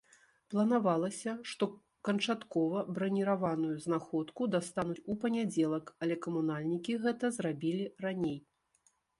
Планавалася, што канчаткова браніраваную знаходку дастануць у панядзелак, але камунальнікі гэта зрабілі раней.